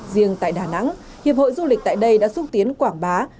riêng tại đà nẵng hiệp hội du lịch tại đây đã xúc tiến quảng bá